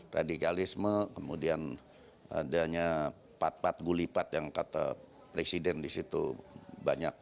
radikalisme kemudian adanya pat pat gulipat yang kata presiden di situ banyak